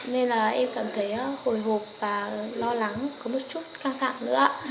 nên là em cảm thấy hồi hộp và lo lắng có một chút căng thẳng nữa